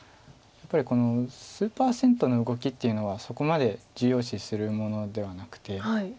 やっぱり数パーセントの動きっていうのはそこまで重要視するものではなくて。